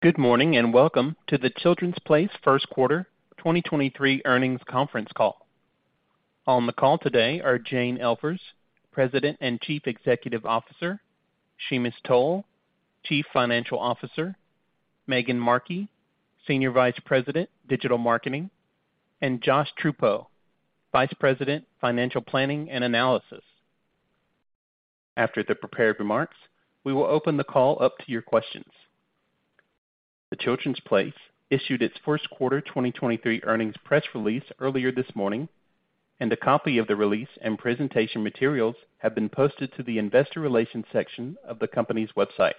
Good morning. Welcome to The Children's Place first quarter 2023 earnings conference call. On the call today are Jane Elfers, President and Chief Executive Officer, Sheamus Toal, Chief Financial Officer, Maegan Markee, Senior Vice President, Digital Marketing, and Josh Truppo, Vice President, Financial Planning and Analysis. After the prepared remarks, we will open the call up to your questions. The Children's Place issued its first quarter 2023 earnings press release earlier this morning. A copy of the release and presentation materials have been posted to the investor relations section of the company's website.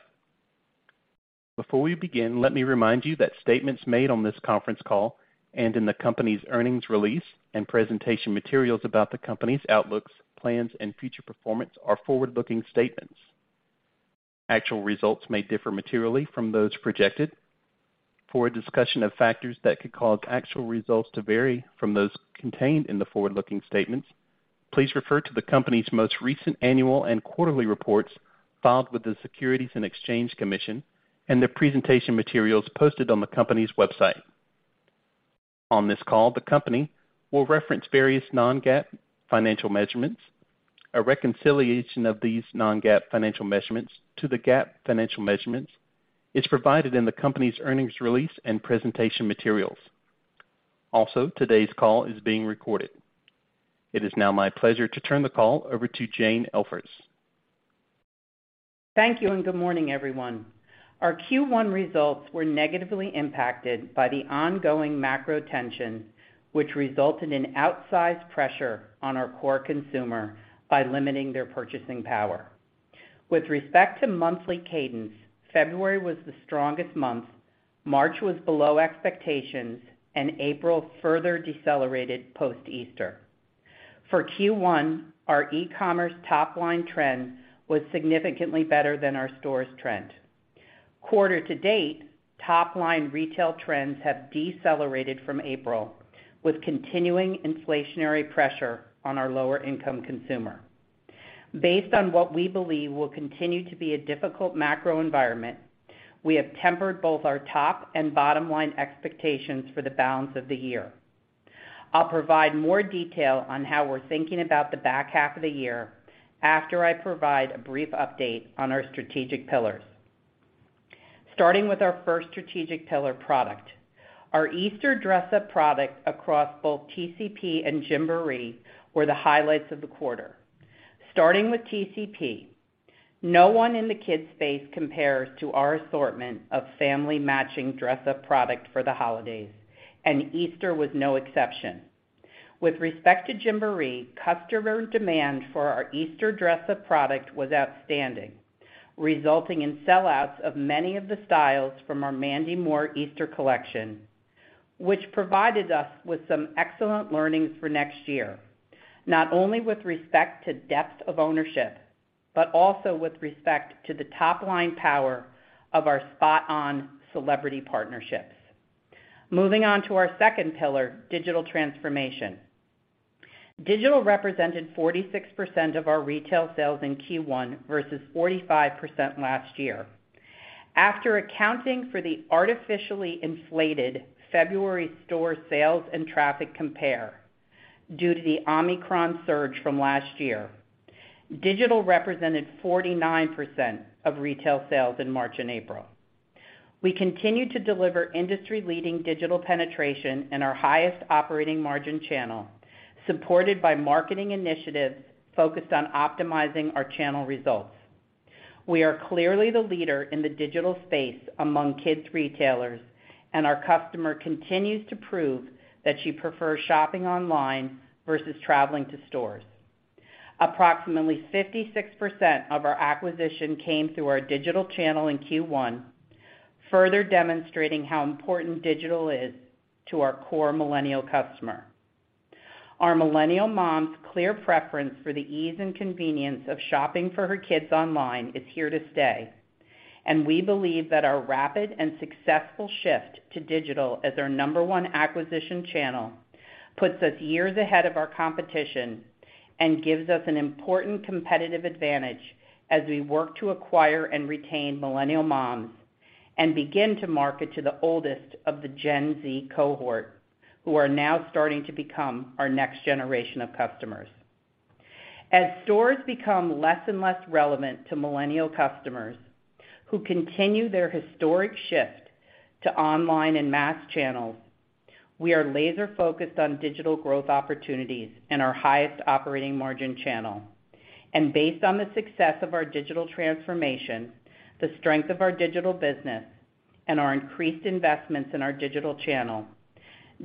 Before we begin, let me remind you that statements made on this conference call and in the company's earnings release and presentation materials about the company's outlooks, plans,, and future performance are forward-looking statements. Actual results may differ materially from those projected. For a discussion of factors that could cause actual results to vary from those contained in the forward-looking statements, please refer to the company's most recent annual and quarterly reports filed with the Securities and Exchange Commission and the presentation materials posted on the company's website. On this call, the company will reference various non-GAAP financial measurements. A reconciliation of these non-GAAP financial measurements to the GAAP financial measurements is provided in the company's earnings release and presentation materials. Today's call is being recorded. It is now my pleasure to turn the call over to Jane Elfers. Thank you, and good morning, everyone. Our Q1 results were negatively impacted by the ongoing macro tensions, which resulted in outsized pressure on our core consumer by limiting their purchasing power. With respect to monthly cadence, February was the strongest month, March was below expectations, and April further decelerated post-Easter. For Q1, our e-commerce top-line trend was significantly better than our stores trend. Quarter to date, top-line retail trends have decelerated from April, with continuing inflationary pressure on our lower-income consumer. Based on what we believe will continue to be a difficult macro environment, we have tempered both our top and bottom-line expectations for the balance of the year. I'll provide more detail on how we're thinking about the back half of the year after I provide a brief update on our strategic pillars. Starting with our first strategic pillar, product. Our Easter dress up product across both TCP and Gymboree were the highlights of the quarter. Starting with TCP, no one in the kids space compares to our assortment of family matching dress up product for the holidays. Easter was no exception. With respect to Gymboree, customer demand for our Easter dress up product was outstanding, resulting in sellouts of many of the styles from our Mandy Moore Easter collection, which provided us with some excellent learnings for next year, not only with respect to depth of ownership, but also with respect to the top-line power of our spot on celebrity partnerships. Moving on to our second pillar, digital transformation. Digital represented 46% of our retail sales in Q1 versus 45% last year. After accounting for the artificially inflated February store sales and traffic compare due to the Omicron surge from last year, digital represented 49% of retail sales in March and April. We continue to deliver industry-leading digital penetration in our highest operating margin channel, supported by marketing initiatives focused on optimizing our channel results. We are clearly the leader in the digital space among kids retailers, and our customer continues to prove that she prefers shopping online versus traveling to stores. Approximately 56% of our acquisition came through our digital channel in Q1, further demonstrating how important digital is to our core millennial customer. Our Millennial mom's clear preference for the ease and convenience of shopping for her kids online is here to stay, and we believe that our rapid and successful shift to digital as our number one acquisition channel puts us years ahead of our competition and gives us an important competitive advantage as we work to acquire and retain Millennial moms and begin to market to the oldest of the Gen Z cohort, who are now starting to become our next generation of customers. As stores become less and less relevant to Millennial customers who continue their historic shift to online and mass channels, we are laser-focused on digital growth opportunities in our highest operating margin channel. Based on the success of our digital transformation, the strength of our digital business, and our increased investments in our digital channel,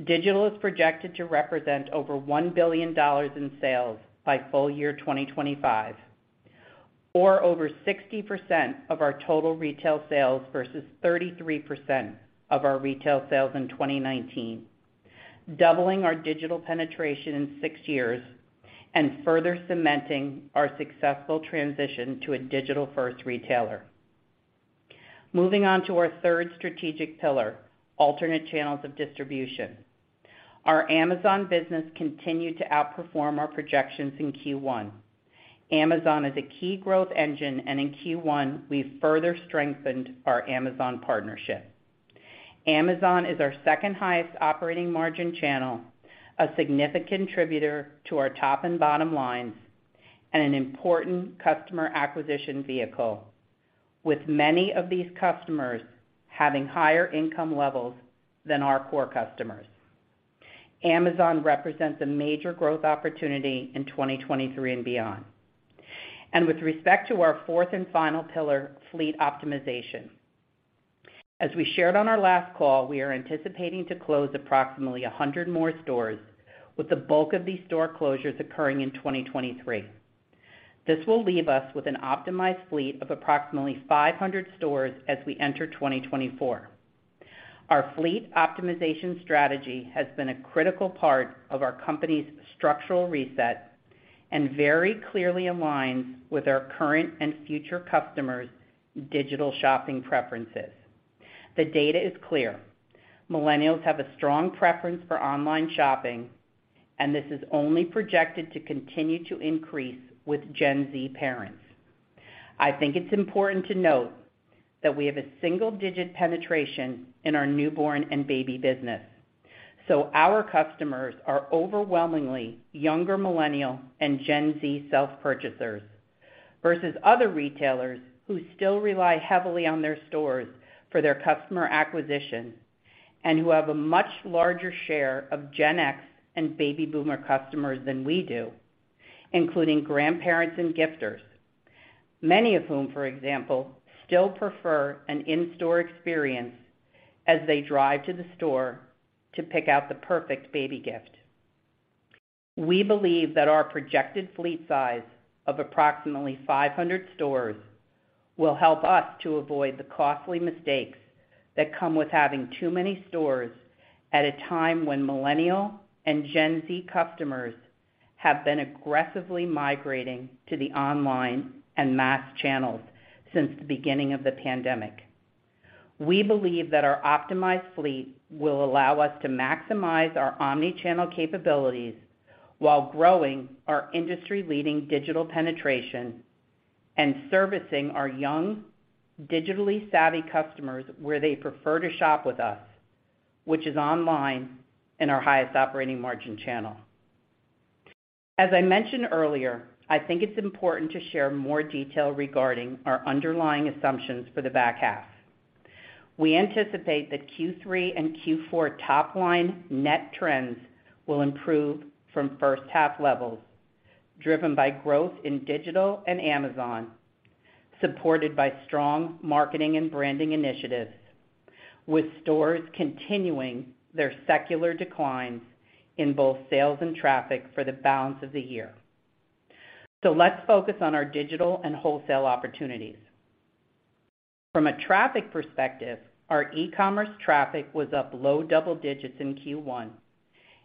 digital is projected to represent over $1 billion in sales by full year 2025, or over 60% of our total retail sales versus 33% of our retail sales in 2019, doubling our digital penetration in 6 years and further cementing our successful transition to a digital-first retailer. Moving on to our third strategic pillar, alternate channels of distribution. Our Amazon business continued to outperform our projections in Q1. Amazon is a key growth engine, and in Q1, we further strengthened our Amazon partnership. Amazon is our second highest operating margin channel, a significant contributor to our top and bottom lines, and an important customer acquisition vehicle, with many of these customers having higher income levels than our core customers. Amazon represents a major growth opportunity in 2023 and beyond. With respect to our fourth and final pillar, fleet optimization, as we shared on our last call, we are anticipating to close approximately 100 more stores, with the bulk of these store closures occurring in 2023. This will leave us with an optimized fleet of approximately 500 stores as we enter 2024. Our fleet optimization strategy has been a critical part of our company's structural reset and very clearly aligns with our current and future customers' digital shopping preferences. The data is clear. Millennials have a strong preference for online shopping, and this is only projected to continue to increase with Gen Z parents. I think it's important to note that we have a single-digit penetration in our newborn and baby business, so our customers are overwhelmingly younger Millennial and Gen Z self-purchasers versus other retailers who still rely heavily on their stores for their customer acquisition and who have a much larger share of Gen X and baby boomer customers than we do, including grandparents and gifters, many of whom, for example, still prefer an in-store experience as they drive to the store to pick out the perfect baby gift. We believe that our projected fleet size of approximately 500 stores will help us to avoid the costly mistakes that come with having too many stores at a time when Millennial and Gen Z customers have been aggressively migrating to the online and mass channels since the beginning of the pandemic. We believe that our optimized fleet will allow us to maximize our omni-channel capabilities while growing our industry-leading digital penetration and servicing our young, digitally savvy customers where they prefer to shop with us, which is online in our highest operating margin channel. I mentioned earlier, I think it's important to share more detail regarding our underlying assumptions for the back half. We anticipate that Q3 and Q4 top line net trends will improve from first half levels, driven by growth in digital and Amazon, supported by strong marketing and branding initiatives, with stores continuing their secular declines in both sales and traffic for the balance of the year. Let's focus on our digital and wholesale opportunities. From a traffic perspective, our e-commerce traffic was up low double digits in Q1,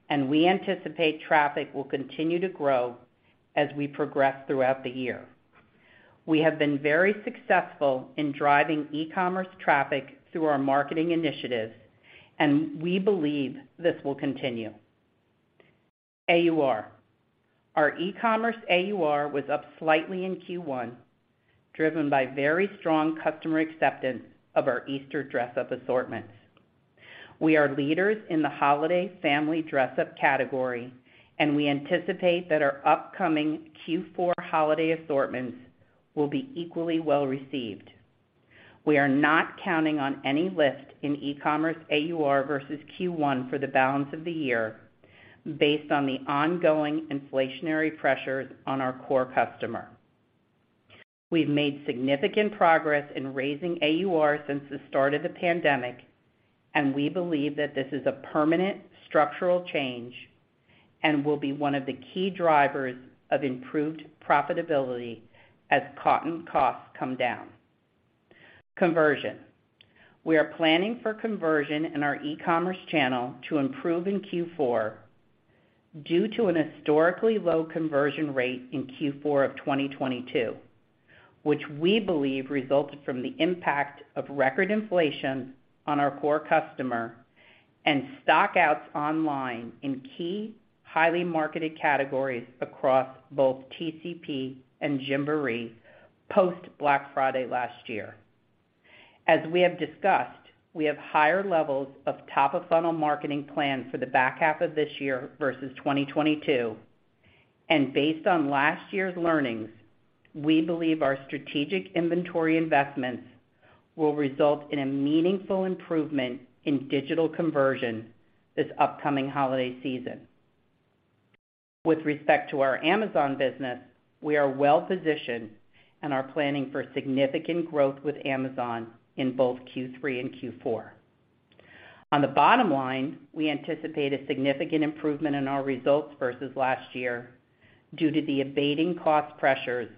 and we anticipate traffic will continue to grow as we progress throughout the year. We have been very successful in driving e-commerce traffic through our marketing initiatives. We believe this will continue. AUR. Our e-commerce AUR was up slightly in Q1, driven by very strong customer acceptance of our Easter dress up assortments. We are leaders in the holiday family dress up category. We anticipate that our upcoming Q4 holiday assortments will be equally well-received. We are not counting on any lift in e-commerce AUR versus Q1 for the balance of the year based on the ongoing inflationary pressures on our core customer. We've made significant progress in raising AUR since the start of the pandemic. We believe that this is a permanent structural change and will be one of the key drivers of improved profitability as cotton costs come down. Conversion. We are planning for conversion in our e-commerce channel to improve in Q4 due to an historically low conversion rate in Q4 of 2022, which we believe resulted from the impact of record inflation on our core customer and stock outs online in key, highly marketed categories across both TCP and Gymboree post Black Friday last year. As we have discussed, we have higher levels of Top of Funnel marketing plans for the back half of this year versus 2022. Based on last year's learnings, we believe our strategic inventory investments will result in a meaningful improvement in digital conversion this upcoming holiday season. With respect to our Amazon business, we are well positioned and are planning for significant growth with Amazon in both Q3 and Q4. On the bottom line, we anticipate a significant improvement in our results versus last year due to the abating cost pressures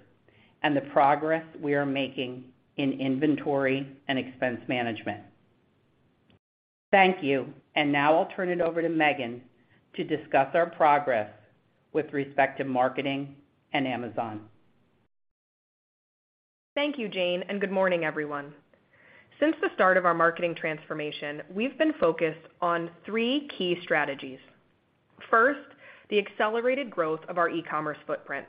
and the progress we are making in inventory and expense management. Thank you. Now I'll turn it over to Maegan to discuss our progress with respect to marketing and Amazon. Thank you, Jane, and good morning, everyone. Since the start of our marketing transformation, we've been focused on three key strategies. First, the accelerated growth of our e-commerce footprint.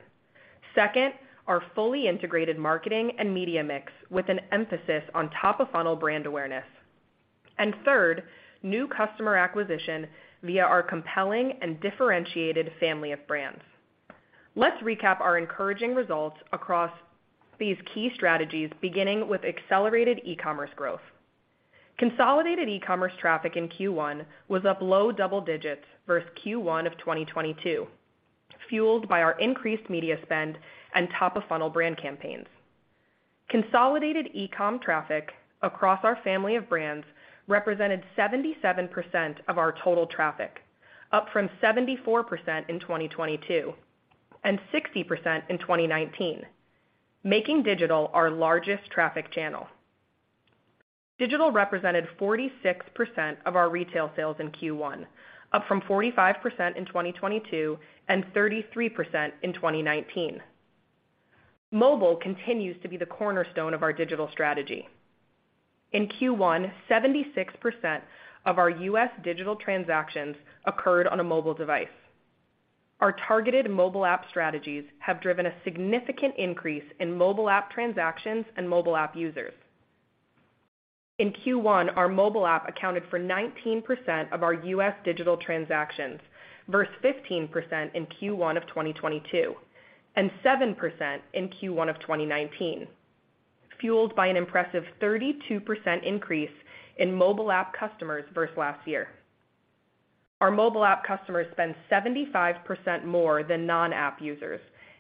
Second, our fully integrated marketing and media mix with an emphasis on Top of Funnel brand awareness. Third, new customer acquisition via our compelling and differentiated family of brands. Let's recap our encouraging results across these key strategies, beginning with accelerated e-commerce growth. Consolidated e-commerce traffic in Q1 was up low double digits versus Q1 of 2022, fueled by our increased media spend and Top of Funnel brand campaigns. Consolidated e-com traffic across our family of brands represented 77% of our total traffic, up from 74% in 2022 and 60% in 2019, making digital our largest traffic channel. Digital represented 46% of our retail sales in Q1, up from 45% in 2022 and 33% in 2019. Mobile continues to be the cornerstone of our digital strategy. In Q1, 76% of our U.S. digital transactions occurred on a mobile device. Our targeted mobile app strategies have driven a significant increase in mobile app transactions and mobile app users. In Q1, our mobile app accounted for 19% of our U.S. digital transactions versus 15% in Q1 of 2022 and 7% in Q1 of 2019, fueled by an impressive 32% increase in mobile app customers versus last year. Our mobile app customers spend 75% more than non-app users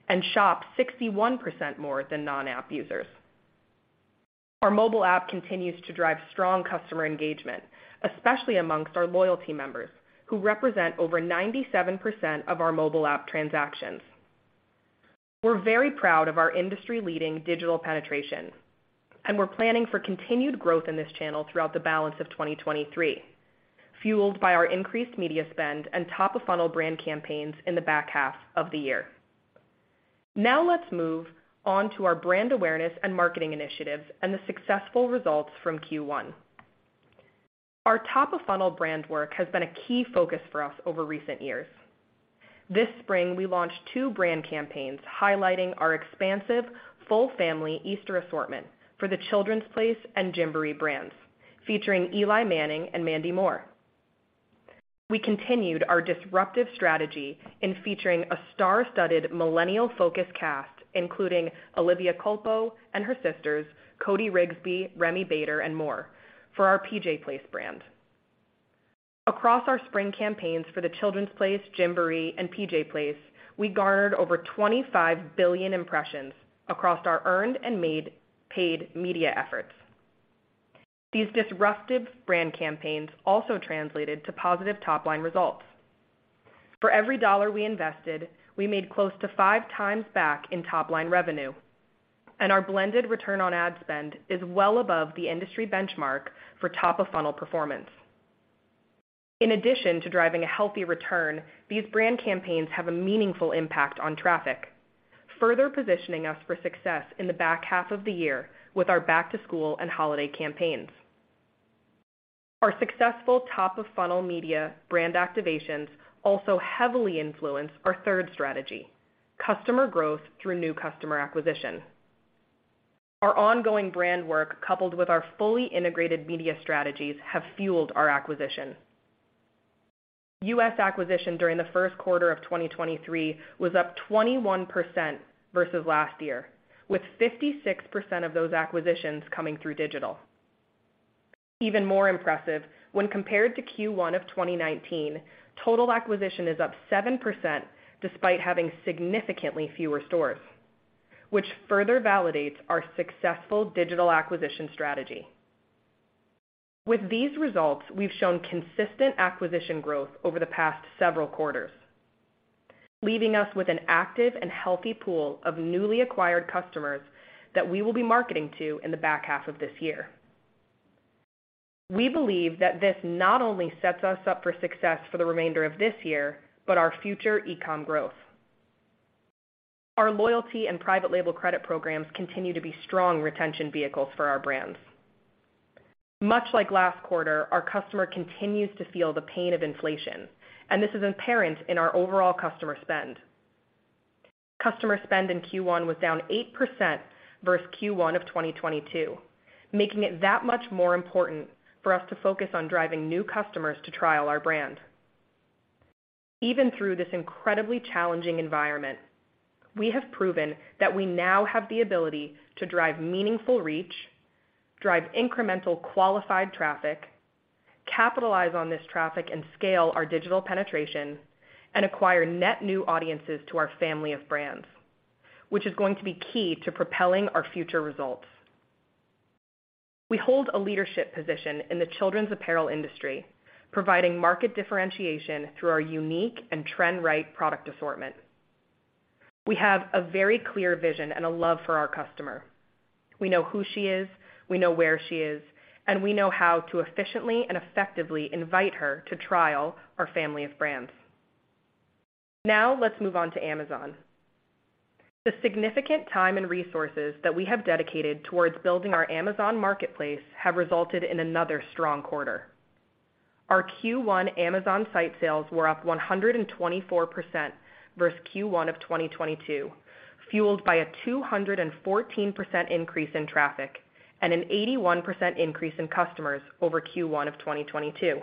and shop 61% more than non-app users. Our mobile app continues to drive strong customer engagement, especially amongst our loyalty members, who represent over 97% of our mobile app transactions. We're very proud of our industry-leading digital penetration, and we're planning for continued growth in this channel throughout the balance of 2023, fueled by our increased media spend and Top of Funnel brand campaigns in the back half of the year. Let's move on to our brand awareness and marketing initiatives and the successful results from Q1. Our Top of Funnel brand work has been a key focus for us over recent years. This spring, we launched two brand campaigns highlighting our expansive full family Easter assortment for The Children's Place and Gymboree brands, featuring Eli Manning and Mandy Moore. We continued our disruptive strategy in featuring a star-studded Millennial-focused cast, including Olivia Culpo and her sisters, Cody Rigsby, Remi Bader, and more for our PJ Place brand. Across our spring campaigns for The Children's Place, Gymboree, and PJ Place, we garnered over 25 billion impressions across our earned and paid media efforts. These disruptive brand campaigns translated to positive top-line results. For every $ we invested, we made close to 5 times back in top-line revenue, and our blended Return on Ad Spend is well above the industry benchmark for Top of Funnel performance. In addition to driving a healthy return, these brand campaigns have a meaningful impact on traffic, further positioning us for success in the back half of the year with our back-to-school and holiday campaigns. Our successful Top of Funnel media brand activations also heavily influence our third strategy: customer growth through new customer acquisition. Our ongoing brand work, coupled with our fully integrated media strategies, have fueled our acquisition. U.S. acquisition during the first quarter of 2023 was up 21% versus last year, with 56% of those acquisitions coming through digital. Even more impressive, when compared to Q1 of 2019, total acquisition is up 7% despite having significantly fewer stores, which further validates our successful digital acquisition strategy. With these results, we've shown consistent acquisition growth over the past several quarters, leaving us with an active and healthy pool of newly acquired customers that we will be marketing to in the back half of this year. We believe that this not only sets us up for success for the remainder of this year, but our future e-com growth. Our loyalty and private label credit programs continue to be strong retention vehicles for our brands. Much like last quarter, our customer continues to feel the pain of inflation, and this is apparent in our overall customer spend. Customer spend in Q1 was down 8% versus Q1 of 2022, making it that much more important for us to focus on driving new customers to trial our brand. Even through this incredibly challenging environment, we have proven that we now have the ability to drive meaningful reach, drive incremental qualified traffic, capitalize on this traffic and scale our digital penetration, and acquire net new audiences to our family of brands, which is going to be key to propelling our future results. We hold a leadership position in the children's apparel industry, providing market differentiation through our unique and trend right product assortment. We have a very clear vision and a love for our customer. We know who she is, we know where she is, and we know how to efficiently and effectively invite her to trial our family of brands. Let's move on to Amazon. The significant time and resources that we have dedicated towards building our Amazon marketplace have resulted in another strong quarter. Our Q1 Amazon site sales were up 124% versus Q1 of 2022, fueled by a 214% increase in traffic and an 81% increase in customers over Q1 of 2022.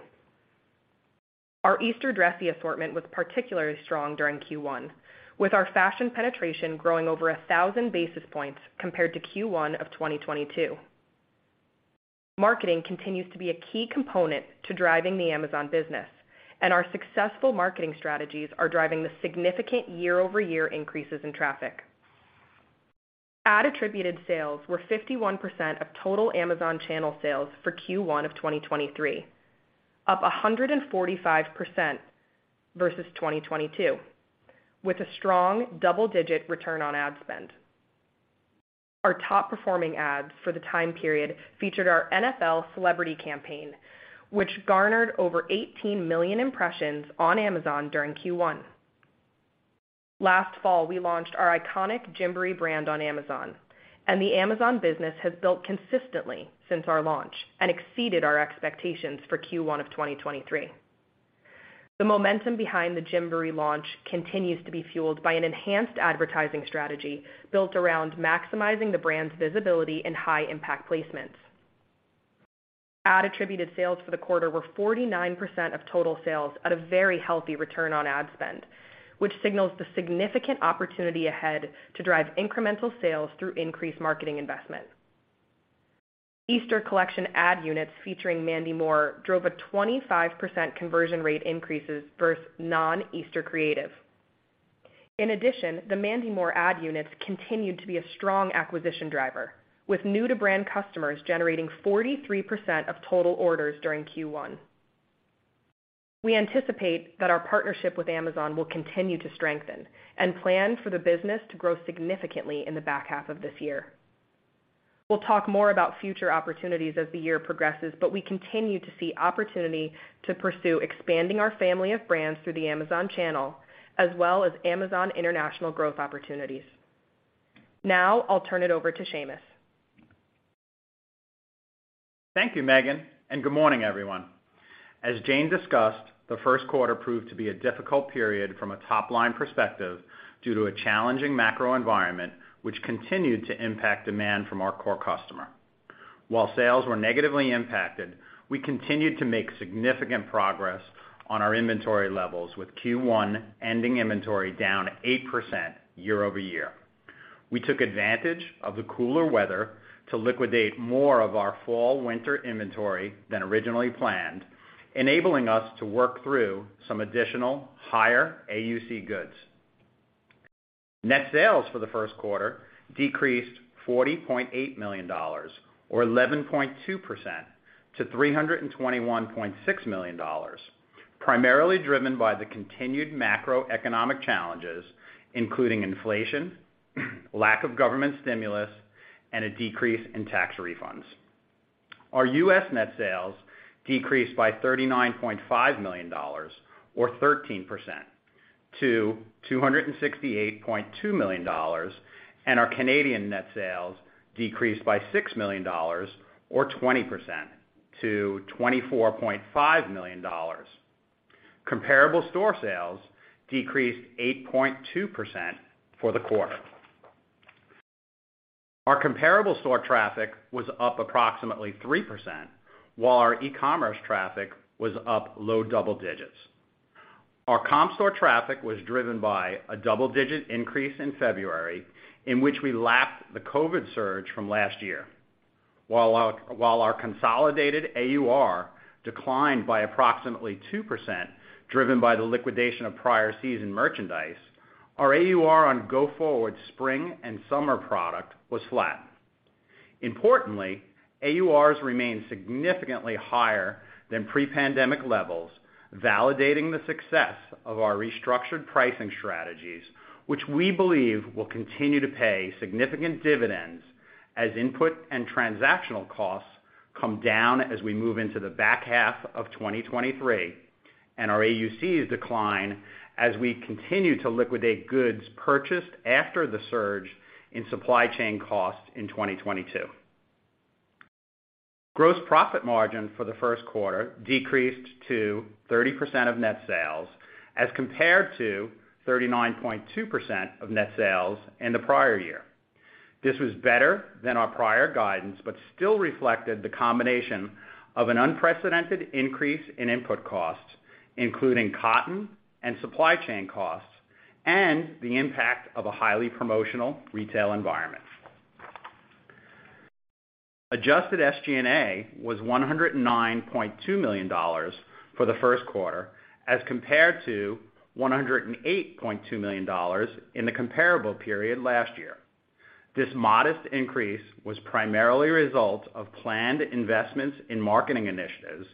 Our Easter dressy assortment was particularly strong during Q1, with our fashion penetration growing over 1,000 basis points compared to Q1 of 2022. Marketing continues to be a key component to driving the Amazon business, and our successful marketing strategies are driving the significant year-over-year increases in traffic. Ad attributed sales were 51% of total Amazon channel sales for Q1 of 2023, up 145% versus 2022, with a strong double-digit Return on Ad Spend. Our top performing ads for the time period featured our NFL celebrity campaign, which garnered over 18 million impressions on Amazon during Q1. Last fall, we launched our iconic Gymboree brand on Amazon, and the Amazon business has built consistently since our launch and exceeded our expectations for Q1 of 2023. The momentum behind the Gymboree launch continues to be fueled by an enhanced advertising strategy built around maximizing the brand's visibility in high impact placements. Ad attributed sales for the quarter were 49% of total sales at a very healthy Return on Ad Spend, which signals the significant opportunity ahead to drive incremental sales through increased marketing investment. Easter collection ad units featuring Mandy Moore drove a 25% conversion rate increases versus non-Easter creative. The Mandy Moore ad units continued to be a strong acquisition driver, with new-to-brand customers generating 43% of total orders during Q1. We anticipate that our partnership with Amazon will continue to strengthen and plan for the business to grow significantly in the back half of this year. We'll talk more about future opportunities as the year progresses, we continue to see opportunity to pursue expanding our family of brands through the Amazon channel as well as Amazon international growth opportunities. I'll turn it over to Sheamus. Thank you, Maegan, good morning, everyone. As Jane discussed, the first quarter proved to be a difficult period from a top line perspective due to a challenging macro environment, which continued to impact demand from our core customer. While sales were negatively impacted, we continued to make significant progress on our inventory levels with Q1 ending inventory down 8% year-over-year. We took advantage of the cooler weather to liquidate more of our fall/winter inventory than originally planned, enabling us to work through some additional higher AUC goods. Net sales for the first quarter decreased $40.8 million, or 11.2% to $321.6 million, primarily driven by the continued macroeconomic challenges, including inflation, lack of government stimulus, and a decrease in tax refunds. Our U.S. net sales decreased by $39.5 million, or 13% to $268.2 million. Our Canadian net sales decreased by 6 million dollars or 20% to 24.5 million dollars. Comparable store sales decreased 8.2% for the quarter. Our comparable store traffic was up approximately 3%, while our e-commerce traffic was up low double digits. Our comp store traffic was driven by a double-digit increase in February, in which we lapped the COVID surge from last year. While our consolidated AUR declined by approximately 2%, driven by the liquidation of prior season merchandise, our AUR on go forward spring and summer product was flat. Importantly, AURs remain significantly higher than pre-pandemic levels, validating the success of our restructured pricing strategies, which we believe will continue to pay significant dividends as input and transactional costs come down as we move into the back half of 2023 and our AUCs decline as we continue to liquidate goods purchased after the surge in supply chain costs in 2022. Gross profit margin for the first quarter decreased to 30% of net sales as compared to 39.2% of net sales in the prior year. This was better than our prior guidance, but still reflected the combination of an unprecedented increase in input costs, including cotton and supply chain costs, and the impact of a highly promotional retail environment. Adjusted SG&A was $109.2 million for the first quarter as compared to $108.2 million in the comparable period last year. This modest increase was primarily a result of planned investments in marketing initiatives,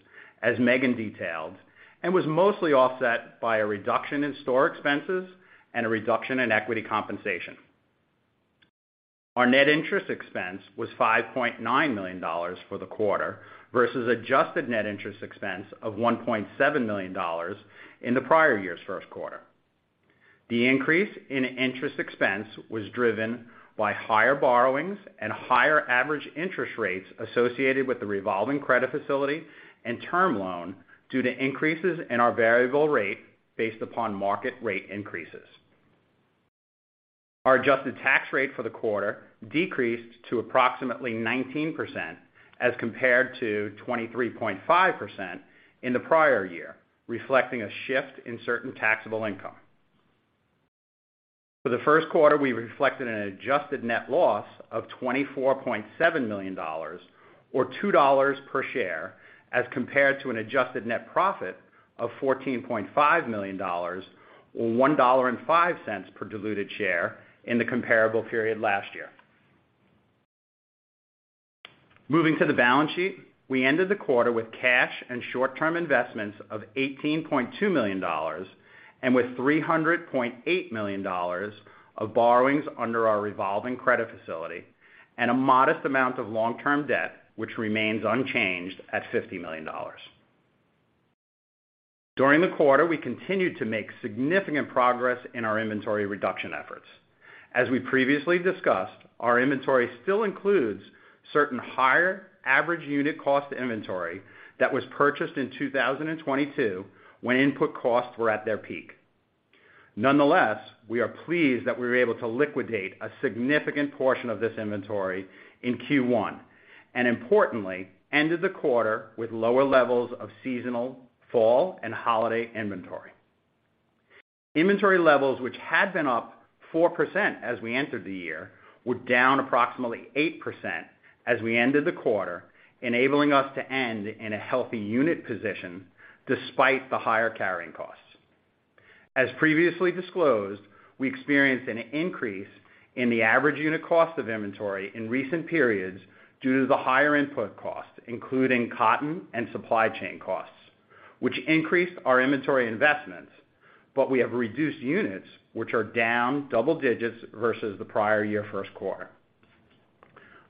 as Maegan detailed, and was mostly offset by a reduction in store expenses and a reduction in equity compensation. Our net interest expense was $5.9 million for the quarter, versus adjusted net interest expense of $1.7 million in the prior year's first quarter. The increase in interest expense was driven by higher borrowings and higher average interest rates associated with the revolving credit facility and term loan due to increases in our variable rate based upon market rate increases. Our adjusted tax rate for the quarter decreased to approximately 19%, as compared to 23.5% in the prior year, reflecting a shift in certain taxable income. For the first quarter, we reflected an adjusted net loss of $24.7 million, or $2 per share, as compared to an adjusted net profit of $14.5 million, or $1.05 per diluted share in the comparable period last year. Moving to the balance sheet. We ended the quarter with cash and short-term investments of $18.2 million, and with $300.8 million of borrowings under our revolving credit facility and a modest amount of long-term debt, which remains unchanged at $50 million. During the quarter, we continued to make significant progress in our inventory reduction efforts. As we previously discussed, our inventory still includes certain higher average unit cost inventory that was purchased in 2022, when input costs were at their peak. Nonetheless, we are pleased that we were able to liquidate a significant portion of this inventory in Q1, and importantly, ended the quarter with lower levels of seasonal, fall, and holiday inventory. Inventory levels which had been up 4% as we entered the year, were down approximately 8% as we ended the quarter, enabling us to end in a healthy unit position despite the higher carrying costs. As previously disclosed, we experienced an increase in the average unit cost of inventory in recent periods due to the higher input costs, including cotton and supply chain costs, which increased our inventory investments, but we have reduced units which are down double digits versus the prior year first quarter.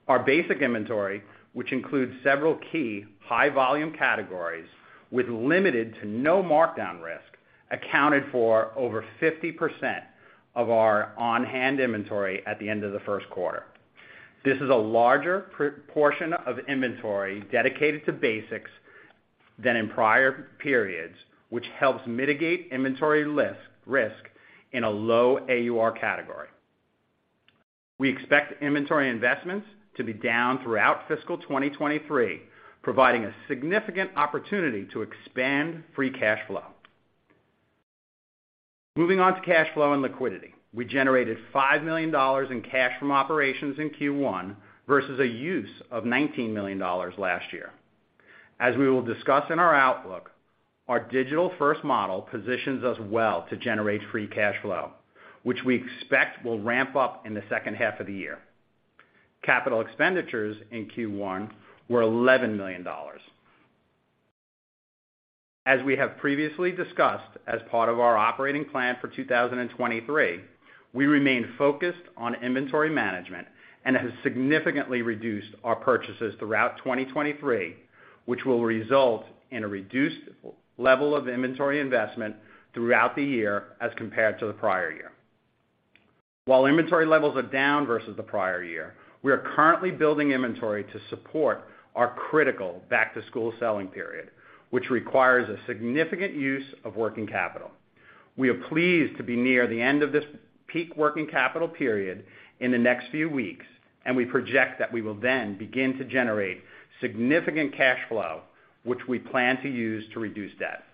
Our basic inventory, which includes several key high volume categories with limited to no markdown risk, accounted for over 50% of our on-hand inventory at the end of the first quarter. This is a larger portion of inventory dedicated to basics than in prior periods, which helps mitigate inventory risk in a low AUR category. We expect inventory investments to be down throughout fiscal 2023, providing a significant opportunity to expand free cash flow. Moving on to cash flow and liquidity. We generated $5 million in cash from operations in Q1, versus a use of $19 million last year. As we will discuss in our outlook, our digital-first model positions us well to generate free cash flow, which we expect will ramp up in the second half of the year. Capital expenditures in Q1 were $11 million. As we have previously discussed as part of our operating plan for 2023, we remain focused on inventory management and have significantly reduced our purchases throughout 2023, which will result in a reduced level of inventory investment throughout the year as compared to the prior year. While inventory levels are down versus the prior year, we are currently building inventory to support our critical back-to-school selling period, which requires a significant use of working capital. We are pleased to be near the end of this peak working capital period in the next few weeks. We project that we will then begin to generate significant cash flow, which we plan to use to reduce debt.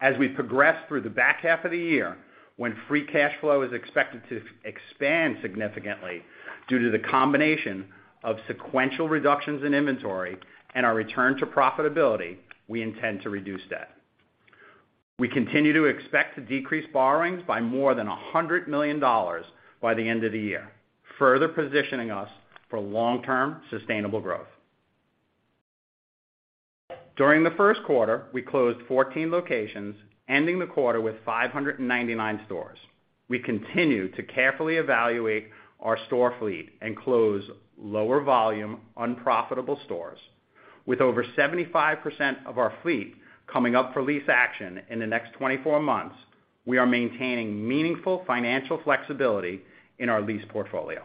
As we progress through the back half of the year, when free cash flow is expected to expand significantly due to the combination of sequential reductions in inventory and our return to profitability, we intend to reduce debt. We continue to expect to decrease borrowings by more than $100 million by the end of the year, further positioning us for long-term sustainable growth. During the first quarter, we closed 14 locations, ending the quarter with 599 stores. We continue to carefully evaluate our store fleet and close lower volume, unprofitable stores. With over 75% of our fleet coming up for lease action in the next 24 months, we are maintaining meaningful financial flexibility in our lease portfolio.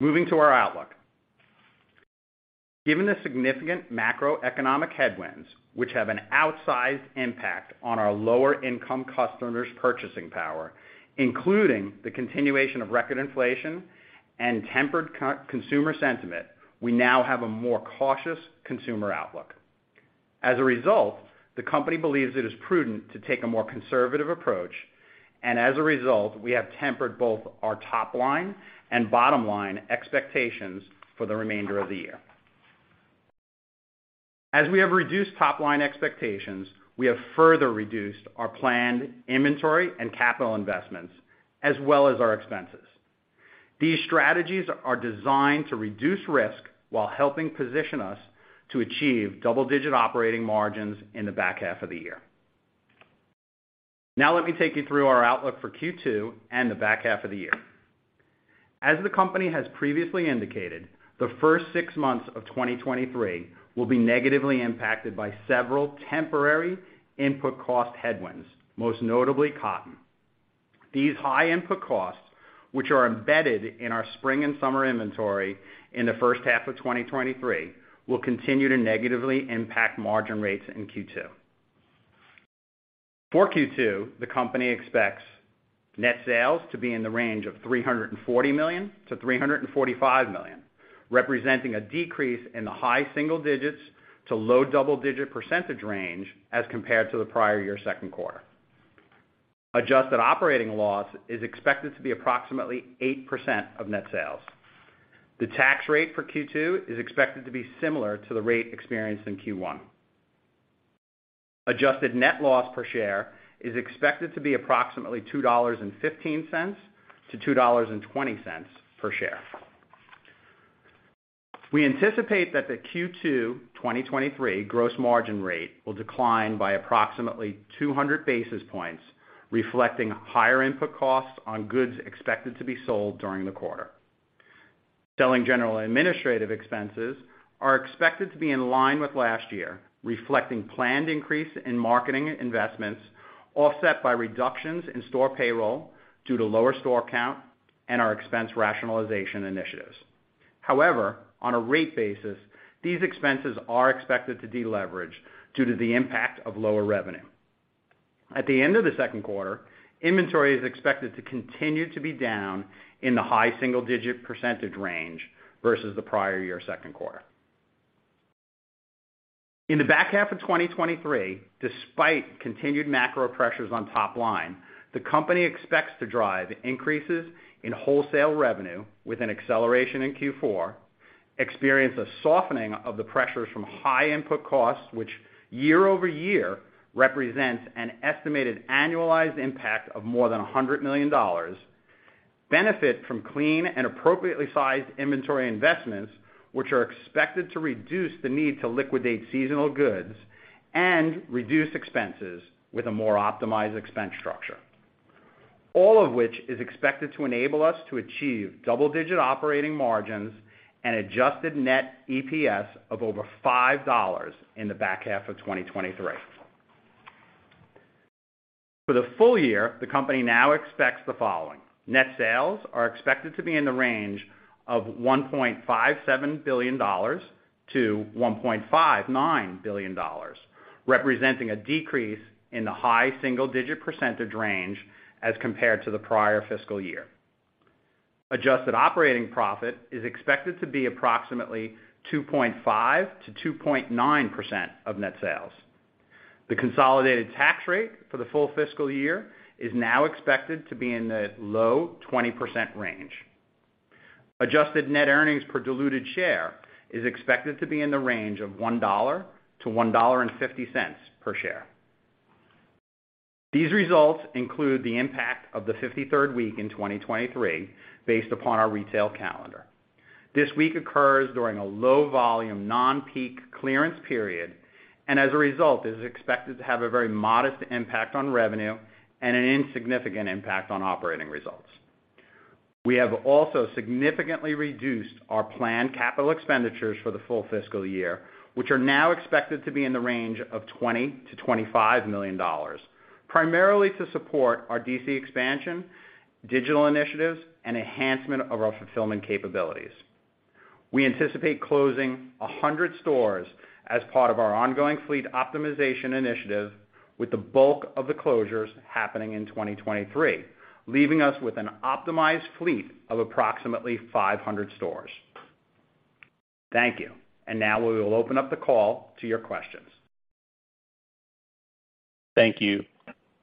Moving to our outlook. Given the significant macroeconomic headwinds, which have an outsized impact on our lower income customers' purchasing power, including the continuation of record inflation and tempered consumer sentiment, we now have a more cautious consumer outlook. As a result, the company believes it is prudent to take a more conservative approach. As a result, we have tempered both our top line and bottom line expectations for the remainder of the year. As we have reduced top-line expectations, we have further reduced our planned inventory and capital investments, as well as our expenses. These strategies are designed to reduce risk while helping position us to achieve double-digit operating margins in the back half of the year. Let me take you through our outlook for Q2 and the back half of the year. As the company has previously indicated, the first six months of 2023 will be negatively impacted by several temporary input cost headwinds, most notably cotton. These high input costs, which are embedded in our spring and summer inventory in the first half of 2023, will continue to negatively impact margin rates in Q2. For Q2, the company expects net sales to be in the range of $340 million-$345 million, representing a decrease in the high single digits to low double-digit percentage range as compared to the prior year second quarter. Adjusted operating loss is expected to be approximately 8% of net sales. The tax rate for Q2 is expected to be similar to the rate experienced in Q1. Adjusted net loss per share is expected to be approximately $2.15-$2.20 per share. We anticipate that the Q2 2023 gross margin rate will decline by approximately 200 basis points, reflecting higher input costs on goods expected to be sold during the quarter. Selling, General & Administrative expenses are expected to be in line with last year, reflecting planned increase in marketing investments, offset by reductions in store payroll due to lower store count and our expense rationalization initiatives. However, on a rate basis, these expenses are expected to deleverage due to the impact of lower revenue. At the end of the second quarter, inventory is expected to continue to be down in the high single-digit % range versus the prior year second quarter. In the back half of 2023, despite continued macro pressures on top line, the company expects to drive increases in wholesale revenue with an acceleration in Q4, experience a softening of the pressures from high input costs, which year-over-year represents an estimated annualized impact of more than $100 million, benefit from clean and appropriately sized inventory investments, which are expected to reduce the need to liquidate seasonal goods and reduce expenses with a more optimized expense structure. All of which is expected to enable us to achieve double-digit operating margins and adjusted net EPS of over $5 in the back half of 2023. For the full year, the company now expects the following. Net sales are expected to be in the range of $1.57 billion-$1.59 billion, representing a decrease in the high single-digit percentage range as compared to the prior fiscal year. Adjusted operating profit is expected to be approximately 2.5%-2.9% of net sales. The consolidated tax rate for the full fiscal year is now expected to be in the low 20% range. Adjusted net earnings per diluted share is expected to be in the range of $1.00-$1.50 per share. These results include the impact of the fifty-third week in 2023 based upon our retail calendar. This week occurs during a low volume non-peak clearance period, and as a result, is expected to have a very modest impact on revenue and an insignificant impact on operating results. We have also significantly reduced our planned capital expenditures for the full fiscal year, which are now expected to be in the range of $20 million-$25 million, primarily to support our DC expansion, digital initiatives, and enhancement of our fulfillment capabilities. We anticipate closing 100 stores as part of our ongoing fleet optimization initiative, with the bulk of the closures happening in 2023, leaving us with an optimized fleet of approximately 500 stores. Thank you. Now we will open up the call to your questions. Thank you.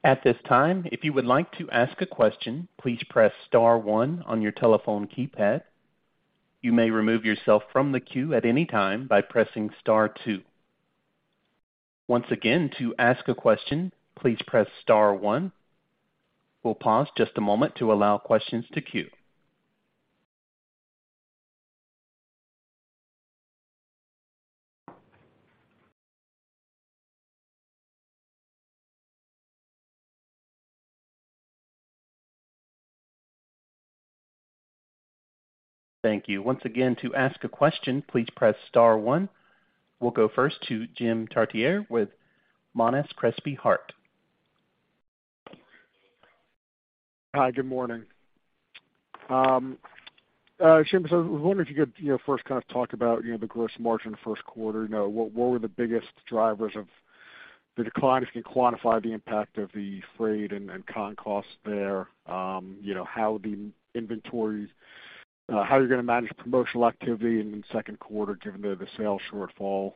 At this time, if you would like to ask a question, please press star one on your telephone keypad. You may remove yourself from the queue at any time by pressing star two. Once again, to ask a question, please press star one. We'll pause just a moment to allow questions to queue. Thank you. Once again, to ask a question, please press star one. We'll go first to James Chartier with Monness, Crespi, Hardt. Hi, good morning. Sheamus, I was wondering if you could, you know, first kind of talk about, you know, the gross margin first quarter. What were the biggest drivers of the decline? If you can quantify the impact of the freight and cotton costs there. How are you gonna manage promotional activity in the second quarter given the sales shortfall?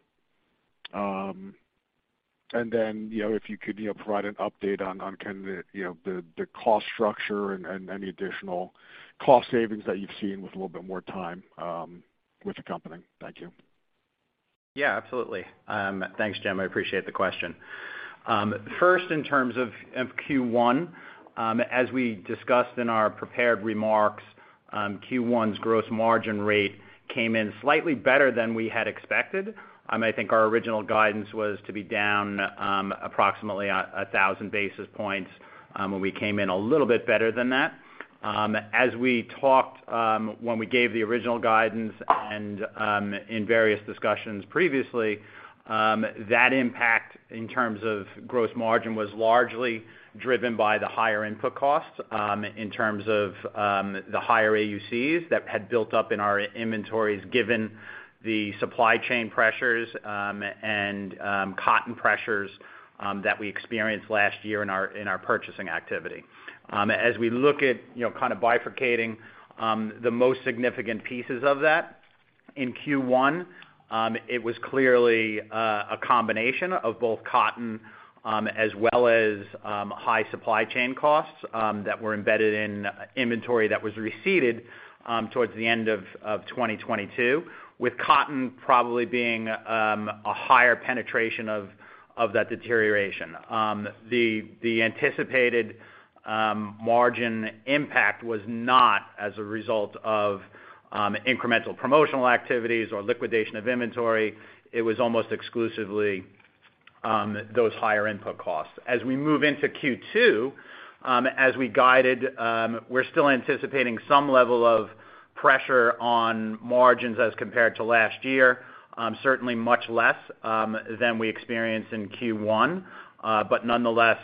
If you could, you know, provide an update on kind of the cost structure and any additional cost savings that you've seen with a little bit more time with the company. Thank you. Yeah, absolutely. Thanks, Jim Chartier. I appreciate the question. First, in terms of Q1, as we discussed in our prepared remarks, Q1's gross margin rate came in slightly better than we had expected. I think our original guidance was to be down approximately 1,000 basis points, when we came in a little bit better than that. As we talked, when we gave the original guidance and in various discussions previously, that impact in terms of gross margin was largely driven by the higher input costs, in terms of the higher AUCs that had built up in our inventories, given the supply chain pressures and cotton pressures, that we experienced last year in our purchasing activity. As we look at, you know, kind of bifurcating, the most significant pieces of that in Q1, it was clearly a combination of both cotton, as well as high supply chain costs, that were embedded in inventory that was receded towards the end of 2022, with cotton probably being a higher penetration of that deterioration. The anticipated margin impact was not as a result of incremental promotional activities or liquidation of inventory. It was almost exclusively those higher input costs. As we move into Q2, as we guided, we're still anticipating some level of pressure on margins as compared to last year, certainly much less than we experienced in Q1. Nonetheless,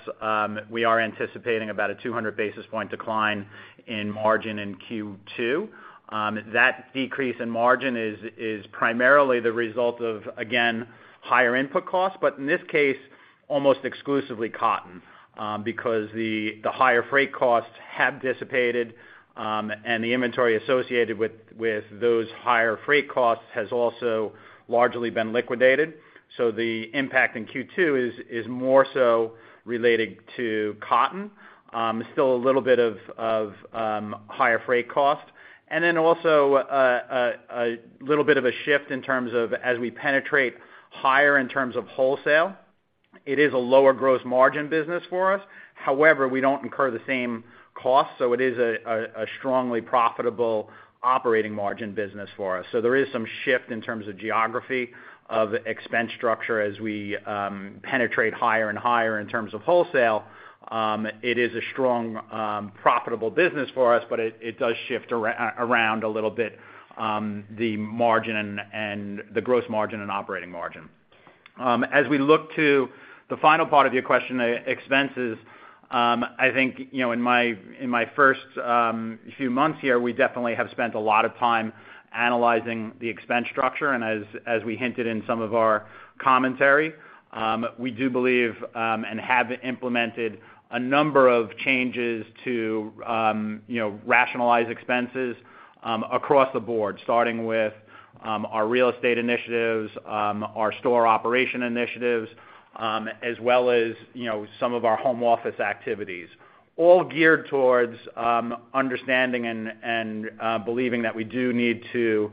we are anticipating about a 200 basis point decline in margin in Q2. That decrease in margin is primarily the result of, again, higher input costs, but in this case, almost exclusively cotton, because the higher freight costs have dissipated, and the inventory associated with those higher freight costs has also largely been liquidated. The impact in Q2 is more so related to cotton. Still a little bit of higher freight costs. Then also, a little bit of a shift in terms of as we penetrate higher in terms of wholesale, it is a lower gross margin business for us. However, we don't incur the same costs, so it is a strongly profitable operating margin business for us. There is some shift in terms of geography of expense structure as we penetrate higher and higher in terms of wholesale. It is a strong, profitable business for us, but it does shift around a little bit, the margin and the gross margin and operating margin. As we look to the final part of your question, expenses, I think, you know, in my first few months here, we definitely have spent a lot of time analyzing the expense structure. As we hinted in some of our commentary, we do believe and have implemented a number of changes to, you know, rationalize expenses across the board, starting with our real estate initiatives, our store operation initiatives, as well as, you know, some of our home office activities, all geared towards understanding and believing that we do need to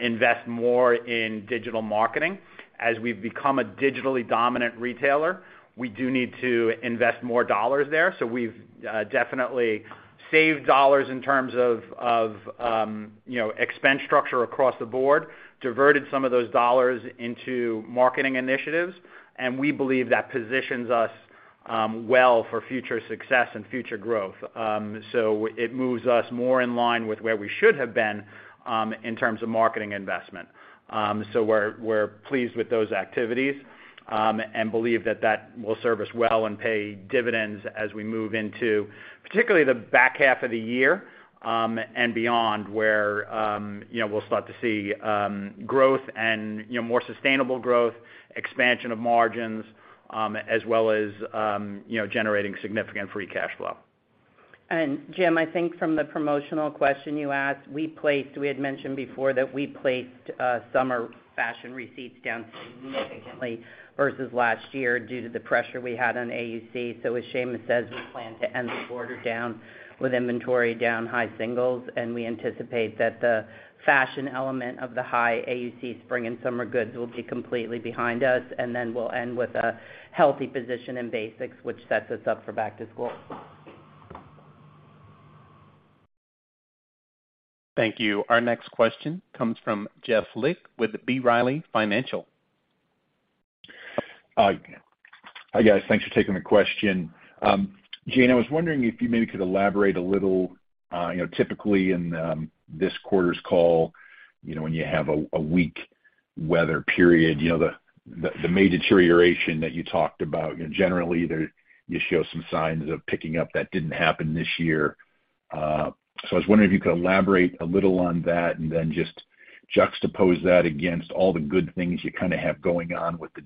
invest more in digital marketing. As we've become a digitally dominant retailer, we do need to invest more dollars there. We've definitely saved dollars in terms of, you know, expense structure across the board, diverted some of those dollars into marketing initiatives, and we believe that positions us well for future success and future growth. It moves us more in line with where we should have been in terms of marketing investment. We're pleased with those activities and believe that that will serve us well and pay dividends as we move into particularly the back half of the year and beyond, where, you know, we'll start to see growth and, you know, more sustainable growth, expansion of margins, as well as, you know, generating significant free cash flow. Jim Chartier, I think from the promotional question you asked, we had mentioned before that we placed summer fashion receipts down significantly versus last year due to the pressure we had on AUC. As Sheamus says, we plan to end the quarter down with inventory down high singles, and we anticipate that the fashion element of the high AUC spring and summer goods will be completely behind us, and then we'll end with a healthy position in basics, which sets us up for back to school. Thank you. Our next question comes from Jeff Lick with B. Riley Financial. Hi, guys. Thanks for taking the question. Jane Elfers, I was wondering if you maybe could elaborate a little, you know, typically in this quarter's call, you know, when you have a weak weather period, you know, the May deterioration that you talked about, you know, generally there, you show some signs of picking up, that didn't happen this year. I was wondering if you could elaborate a little on that and then just juxtapose that against all the good things you kinda have going on with the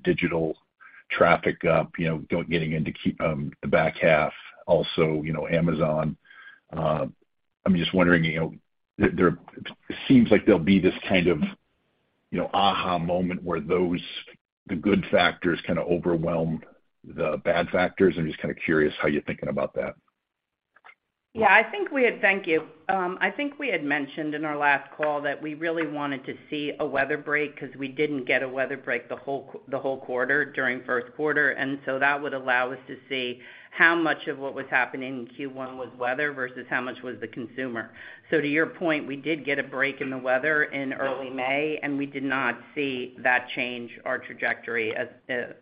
digital traffic up, you know, getting in to keep the back half, also, you know, Amazon. I'm just wondering, you know, there seems like there'll be this kind of, you know, aha moment where those, the good factors kinda overwhelm the bad factors. I'm just kinda curious how you're thinking about that. Yeah, I think we had thank you. I think we had mentioned in our last call that we really wanted to see a weather break because we didn't get a weather break the whole quarter during first quarter. That would allow us to see how much of what was happening in Q1 was weather versus how much was the consumer. To your point, we did get a break in the weather in early May, and we did not see that change our trajectory. As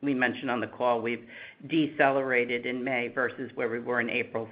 we mentioned on the call, we've decelerated in May versus where we were in April.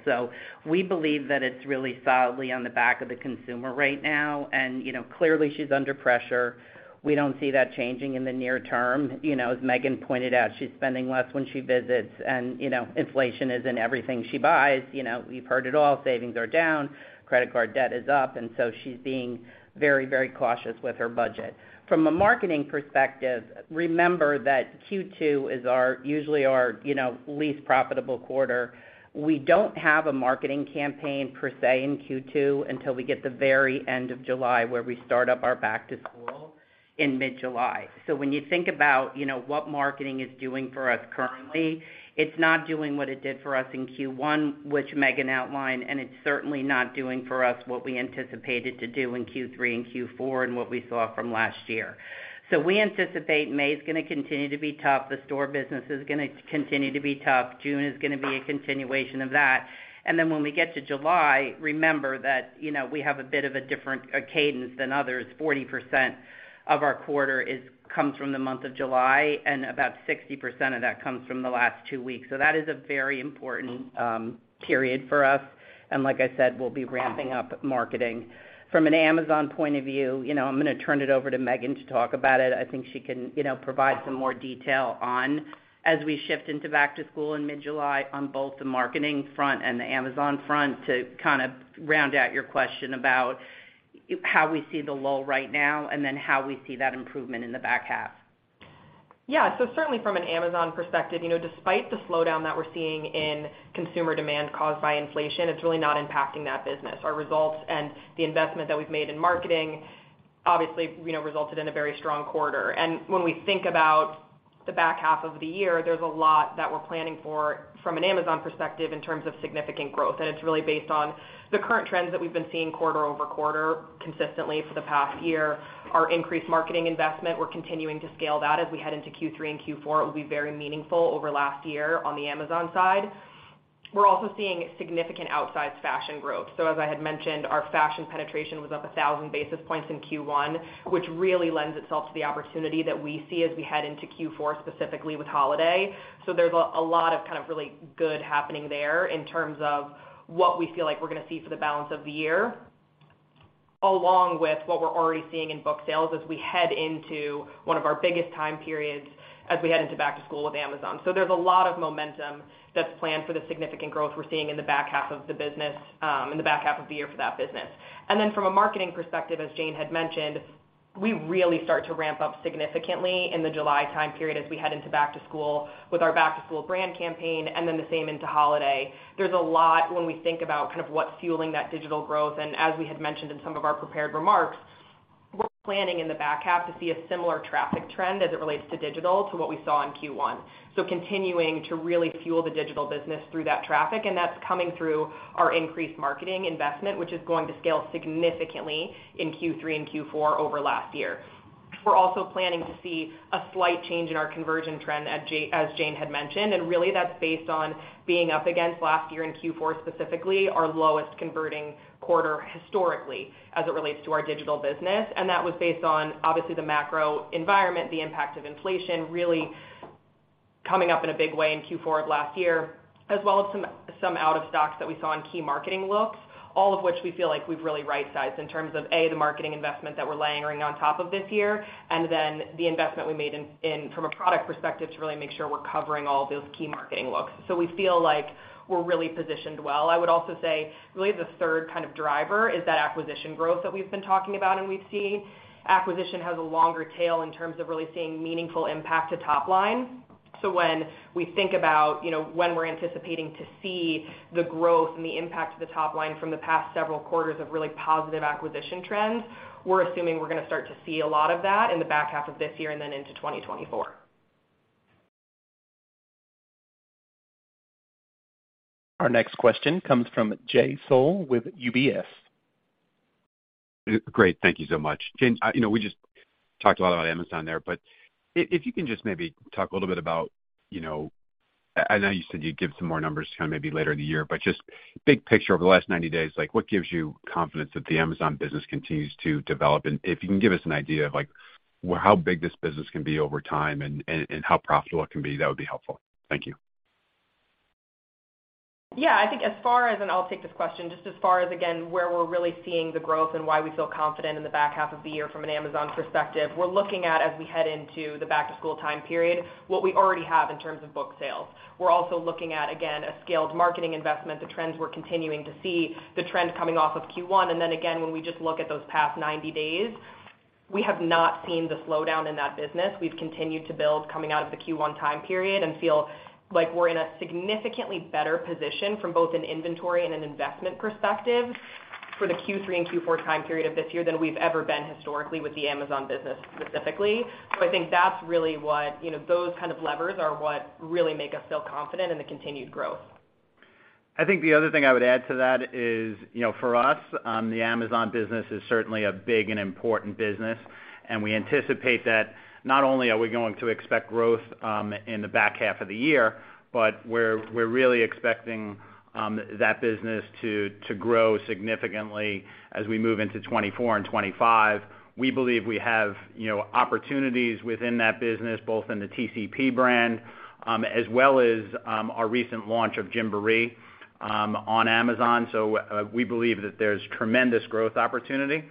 We believe that it's really solidly on the back of the consumer right now. You know, clearly she's under pressure. We don't see that changing in the near term. You know, as Maegan pointed out, she's spending less when she visits and, you know, inflation is in everything she buys. You know, you've heard it all, savings are down, credit card debt is up. She's being very, very cautious with her budget. From a marketing perspective, remember that Q2 is usually our, you know, least profitable quarter. We don't have a marketing campaign per se in Q2 until we get the very end of July where we start up our back to school in mid-July. When you think about, you know, what marketing is doing for us currently, it's not doing what it did for us in Q1, which Maegan outlined. It's certainly not doing for us what we anticipated to do in Q3 and Q4 and what we saw from last year. We anticipate May is gonna continue to be tough. The store business is gonna continue to be tough. June is gonna be a continuation of that. When we get to July, remember that, you know, we have a bit of a different cadence than others. 40% of our quarter comes from the month of July, and about 60% of that comes from the last two weeks. That is a very important period for us. Like I said, we'll be ramping up marketing. From an Amazon point of view, you know, I'm gonna turn it over to Maegan to talk about it. I think she can, you know, provide some more detail on as we shift into back to school in mid-July on both the marketing front and the Amazon front to kind of round out your question about how we see the lull right now and then how we see that improvement in the back half. Yeah. Certainly from an Amazon perspective, you know, despite the slowdown that we're seeing in consumer demand caused by inflation, it's really not impacting that business. Our results and the investment that we've made in marketing obviously, you know, resulted in a very strong quarter. When we think about the back half of the year, there's a lot that we're planning for from an Amazon perspective in terms of significant growth. It's really based on the current trends that we've been seeing quarter-over-quarter consistently for the past year. Our increased marketing investment, we're continuing to scale that as we head into Q3 and Q4. It will be very meaningful over last year on the Amazon side. We're also seeing significant outsized fashion growth. As I had mentioned, our fashion penetration was up 1,000 basis points in Q1, which really lends itself to the opportunity that we see as we head into Q4, specifically with holiday. There's a lot of kind of really good happening there in terms of what we feel like we're gonna see for the balance of the year, along with what we're already seeing in book sales as we head into one of our biggest time periods as we head into back to school with Amazon. There's a lot of momentum that's planned for the significant growth we're seeing in the back half of the business, in the back half of the year for that business. From a marketing perspective, as Jane had mentioned, we really start to ramp up significantly in the July time period as we head into back to school with our back to school brand campaign and then the same into holiday. There's a lot when we think about kind of what's fueling that digital growth. As we had mentioned in some of our prepared remarks, we're planning in the back half to see a similar traffic trend as it relates to digital to what we saw in Q1. Continuing to really fuel the digital business through that traffic, and that's coming through our increased marketing investment, which is going to scale significantly in Q3 and Q4 over last year. We're also planning to see a slight change in our conversion trend, as Jane had mentioned, and really that's based on being up against last year in Q4, specifically our lowest converting quarter historically as it relates to our digital business. That was based on obviously the macro environment, the impact of inflation really coming up in a big way in Q4 of last year, as well as some out of stocks that we saw in key marketing looks. All of which we feel like we've really right-sized in terms of, A, the marketing investment that we're layering on top of this year, and then the investment we made in from a product perspective to really make sure we're covering all those key marketing looks. We feel like we're really positioned well. I would also say really the third kind of driver is that acquisition growth that we've been talking about and we've seen. Acquisition has a longer tail in terms of really seeing meaningful impact to top line. When we think about, you know, when we're anticipating to see the growth and the impact to the top line from the past several quarters of really positive acquisition trends, we're assuming we're gonna start to see a lot of that in the back half of this year and then into 2024. Our next question comes from Jay Sole with UBS. Great. Thank you so much. Jane, you know, we just talked a lot about Amazon there, if you can just maybe talk a little bit about, you know, I know you said you'd give some more numbers kind of maybe later in the year, just big picture over the last 90 days, like what gives you confidence that the Amazon business continues to develop? If you can give us an idea of like how big this business can be over time and how profitable it can be, that would be helpful. Thank you. Yeah, I think. I'll take this question. Just as far as, again, where we're really seeing the growth and why we feel confident in the back half of the year from an Amazon perspective. We're looking at as we head into the back to school time period, what we already have in terms of book sales. We're also looking at, again, a scaled marketing investment, the trends we're continuing to see, the trends coming off of Q1. Again, when we just look at those past 90 days, we have not seen the slowdown in that business. We've continued to build coming out of the Q1 time period and feel like we're in a significantly better position from both an inventory and an investment perspective. For the Q3 and Q4 time period of this year than we've ever been historically with the Amazon business specifically. I think that's really what, you know, those kind of levers are what really make us feel confident in the continued growth. I think the other thing I would add to that is, you know, for us, the Amazon business is certainly a big and important business. We anticipate that not only are we going to expect growth in the back half of the year, but we're really expecting that business to grow significantly as we move into 2024 and 2025. We believe we have, you know, opportunities within that business, both in the TCP brand, as well as our recent launch of Gymboree on Amazon. We believe that there's tremendous growth opportunity.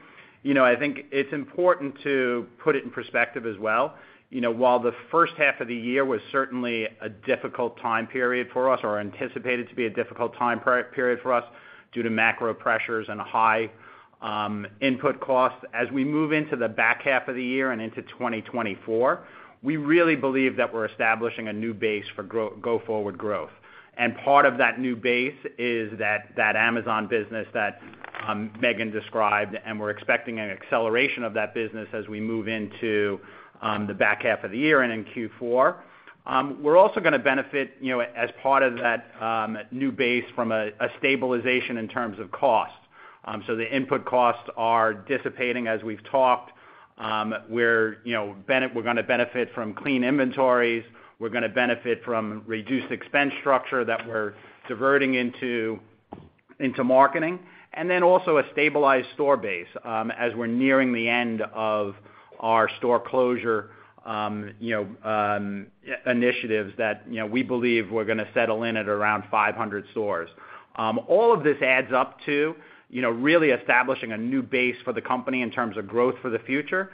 You know, I think it's important to put it in perspective as well. You know, while the first half of the year was certainly a difficult time period for us or anticipated to be a difficult time period for us due to macro pressures and high input costs, as we move into the back half of the year and into 2024, we really believe that we're establishing a new base for go forward growth. Part of that new base is that Amazon business that Maegan described, and we're expecting an acceleration of that business as we move into the back half of the year and in Q4. We're also gonna benefit, you know, as part of that new base from a stabilization in terms of cost. The input costs are dissipating as we've talked. we're, you know, we're gonna benefit from clean inventories, we're gonna benefit from reduced expense structure that we're diverting into marketing, and then also a stabilized store base, as we're nearing the end of our store closure, you know, initiatives that, you know, we believe we're gonna settle in at around 500 stores. All of this adds up to, you know, really establishing a new base for the company in terms of growth for the future,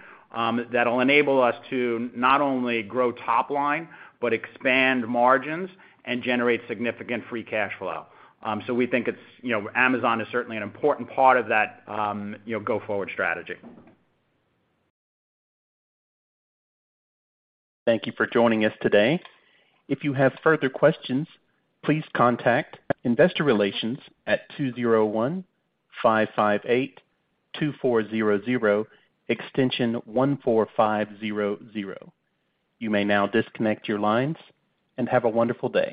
that'll enable us to not only grow top line, but expand margins and generate significant free cash flow. We think it's, you know, Amazon is certainly an important part of that, you know, go-forward strategy. Thank you for joining us today. If you have further questions, please contact Investor Relations at 201-558-2400 extension 14500. You may now disconnect your lines, and have a wonderful day.